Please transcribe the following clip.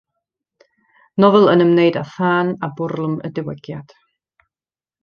Nofel yn ymwneud a thân a bwrlwm y diwygiad.